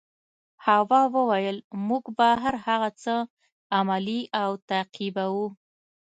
هوا وویل موږ به هر هغه څه عملي او تعقیبوو.